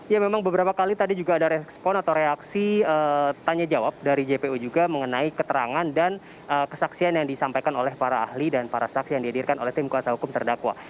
ya memang beberapa kali tadi juga ada respon atau reaksi tanya jawab dari jpu juga mengenai keterangan dan kesaksian yang disampaikan oleh para ahli dan para saksi yang dihadirkan oleh tim kuasa hukum terdakwa